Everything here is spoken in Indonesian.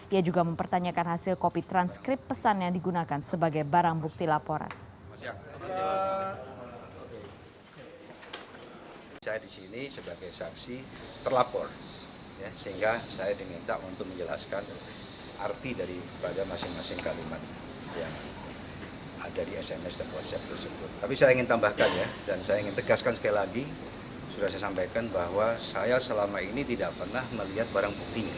ia juga mempertanyakan hasil kopi transkrip pesan yang digunakan sebagai barang bukti laporan